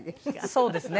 そうですね。